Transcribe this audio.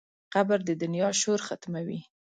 قبر د دنیا شور ختموي.